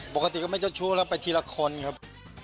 ปกติก็ไม่เจ้าชู้แล้วไปทีละคนครับ